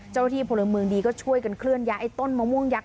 เจ้าหน้าที่พลเมืองดีก็ช่วยกันเคลื่อนย้ายไอ้ต้นมะม่วงยักษ